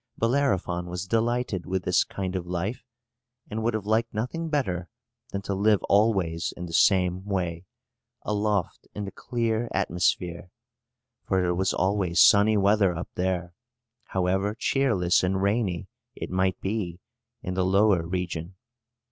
Bellerophon was delighted with this kind of life, and would have liked nothing better than to live always in the same way, aloft in the clear atmosphere; for it was always sunny weather up there, however cheerless and rainy it might be in the lower region.